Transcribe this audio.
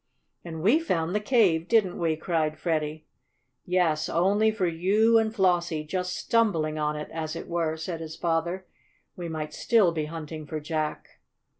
"And we found the cave, didn't we?" cried Freddie. "Yes, only for you and Flossie, just stumbling on it, as it were," said his father, "we might still be hunting for Jack."